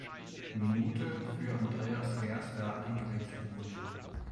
Minute für Andreas Gerster eingewechselt wurde.